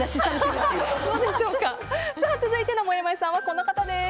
続いてのもやもやさんはこの方です。